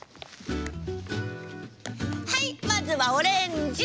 はいまずはオレンジ。